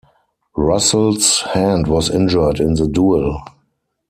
Russell's hand was injured in the duel.